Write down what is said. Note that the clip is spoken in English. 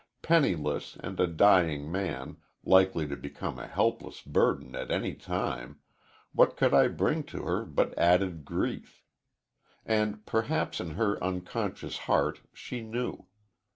Penniless, and a dying man, likely to become a helpless burden at any time, what could I bring to her but added grief. And perhaps in her unconscious heart she knew.